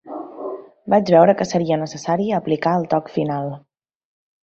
Vaig veure que seria necessari aplicar el toc final.